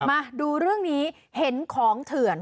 มาดูเรื่องนี้เห็นของเถื่อน